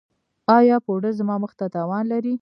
ایا پوډر زما مخ ته تاوان لري؟